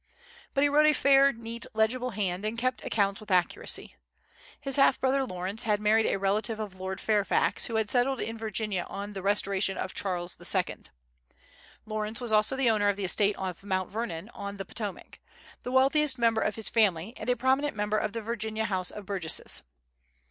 But he wrote a fair, neat, legible hand, and kept accounts with accuracy. His half brother Lawrence had married a relative of Lord Fairfax, who had settled in Virginia on the restoration of Charles II. Lawrence was also the owner of the estate of Mount Vernon, on the Potomac, the wealthiest member of his family, and a prominent member of the Virginia House of Burgesses.